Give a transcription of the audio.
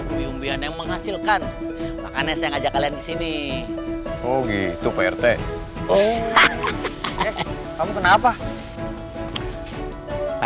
umbi umbian yang menghasilkan makannya saya ajak kalian di sini oh gitu pak rt kamu kenapa